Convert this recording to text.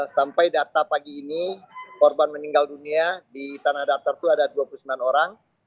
sampai data pagi ini korban meninggal dunia di tanah datar itu ada dua puluh sembilan orang